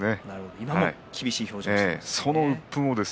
今も厳しい表情です。